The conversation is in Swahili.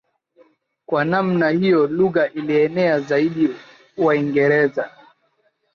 Kwa namna hiyo lugha ilienea zaidi Waingereza